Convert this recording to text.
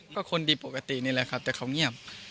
ก็คนดีปกตินี่แหละครับแต่เขาเงียบ